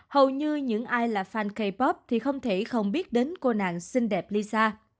hầu như những ai là fan k pop thì không thể không biết đến cô nàng xinh đẹp lisa